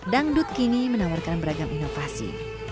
dangdut kini menawarkan beragam inovasi